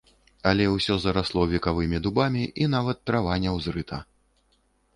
Але ўсё зарасло векавымі дубамі і нават трава не ўзрыта.